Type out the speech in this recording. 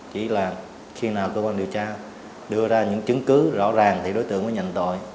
chỉ là khi nào cơ quan điều tra đưa ra những chứng cứ rõ ràng thì đối tượng mới nhận tội